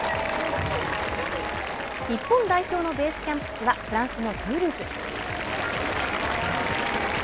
日本代表のベースキャンプ地はフランスのトゥールーズ。